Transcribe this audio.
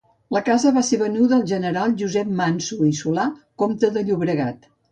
La casa va ser venuda al general Josep Manso i Solà, comte de Llobregat.